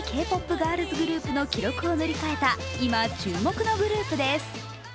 ガールズグループの記録を塗り替えた今注目のグループです。